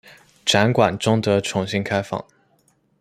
展馆终得重新开放。